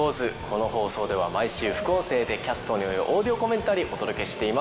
この放送では毎週副音声でキャストによるオーディオコメンタリーお届けしています。